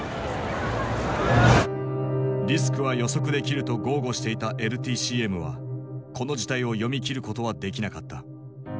リスクは予測できると豪語していたＬＴＣＭはこの事態を読み切ることはできなかった。